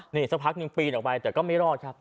นี่สักพักหนึ่งปีนออกไปแต่ก็ไม่รอดครับ